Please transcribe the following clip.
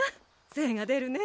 精が出るね。